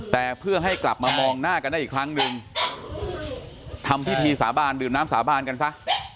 แต่เพื่อให้กลับมามองหน้ากันได้อีกครั้งหนึ่งทำพิธีสาบานดื่มน้ำสาบานกันซะ